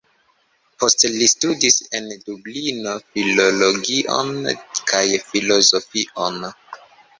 Poste li studis en Dublino filologion kaj filozofion.